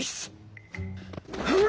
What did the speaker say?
うん！